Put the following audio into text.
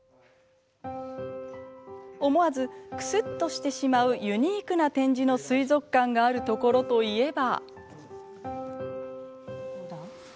思わずくすっとしてしまうユニークな展示の水族館があるところといえば。